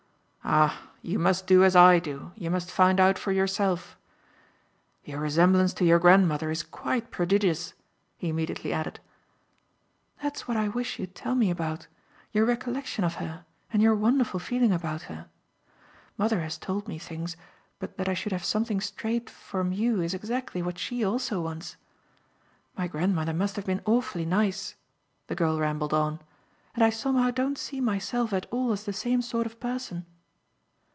"Ah you must do as I do you must find out for yourself. Your resemblance to your grandmother is quite prodigious," he immediately added. "That's what I wish you'd tell me about your recollection of her and your wonderful feeling about her. Mother has told me things, but that I should have something straight from you is exactly what she also wants. My grandmother must have been awfully nice," the girl rambled on, "and I somehow don't see myself at all as the same sort of person."